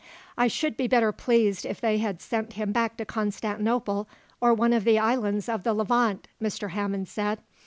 "I should be better pleased if they had sent him back to Constantinople, or one of the islands of the Levant," Mr. Hammond said.